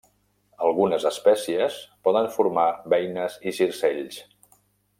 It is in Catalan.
Algunes espècies poden formar beines i circells.